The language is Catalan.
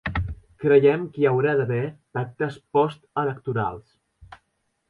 Creiem que hi haurà d’haver pactes postelectorals.